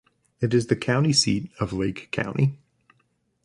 It is the county seat of Lake County.